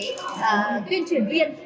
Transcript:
một cái tuyên truyền viên